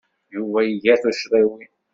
Yuba iga tuccḍiwin.